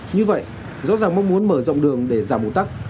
như vậy do rằng mong muốn mở rộng đường để giảm ủ tắc